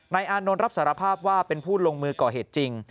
อานนท์รับสารภาพว่าเป็นผู้ลงมือก่อเหตุจริง